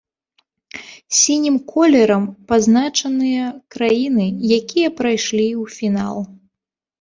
Сінім колерам пазначаныя краіны, якія прайшлі ў фінал.